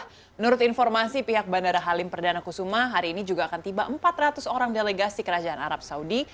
menurut informasi pihak bandara halim perdana kusuma hari ini juga akan tiba empat ratus orang delegasi kerajaan arab saudi